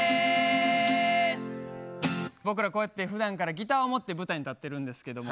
僕らこうやってふだんからギターを持って舞台に立ってるんですけども。